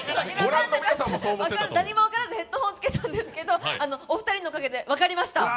何も分からずヘッドホンつけたんですけど、お二人のおかげで分かりました！